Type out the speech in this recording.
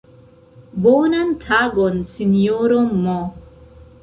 Bonan tagon sinjoro M.!